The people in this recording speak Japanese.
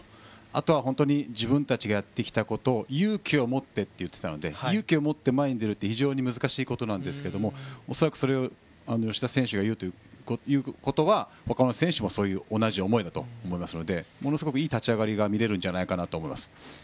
あとは自分たちがやってきたことを勇気を持ってと言っていたので勇気を持って前に出るって非常に難しいことなんですが恐らくそれを吉田選手が言うということは他の選手も同じ思いだと思いますのでものすごくいい立ち上がりが見れると思います。